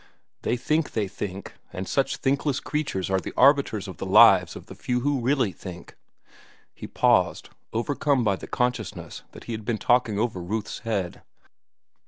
They think they think, and such thinkless creatures are the arbiters of the lives of the few who really think." He paused, overcome by the consciousness that he had been talking over Ruth's head.